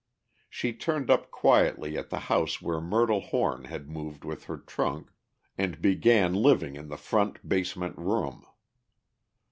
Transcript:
She turned up quietly at the house where Myrtle Horn had moved with her trunk, and began living in the front basement room.